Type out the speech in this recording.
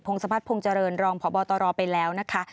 งศพัฒนภงเจริญรองพบตรไปแล้วนะคะ